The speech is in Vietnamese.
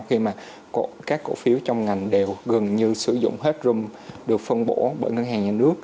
khi mà các cổ phiếu trong ngành đều gần như sử dụng hết rome được phân bổ bởi ngân hàng nhà nước